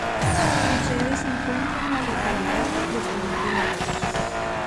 Su sede se encuentra en la localidad de Puente la Reina.